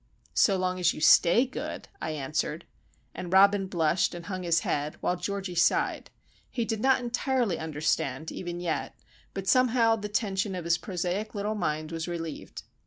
"So long as you stay good," I answered. And Robin blushed and hung his head, while Georgie sighed. He did not entirely understand, even yet, but somehow the tension of his prosaic little mind was relieved.